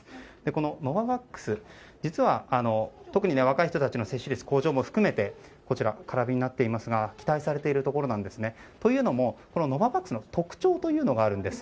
このノババックス実は、特に若い人たちの接種率向上も含めて空瓶になっていますが期待されているところなんですね。というのも、ノババックスの特徴というのがあるんです。